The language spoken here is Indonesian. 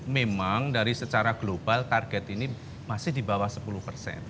memang dari secara global target ini masih di bawah sepuluh persen